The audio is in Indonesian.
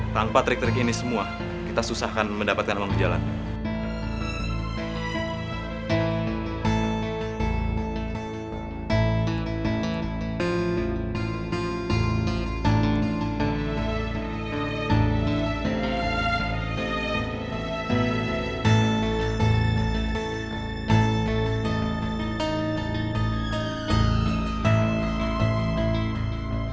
tanpa trik trik ini semua kita susah akan mendapatkan kejalanan